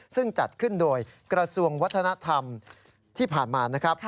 ซึ่งจัดขึ้นโดยกระทรวงวัฒนธรรมที่ผ่านมานะครับ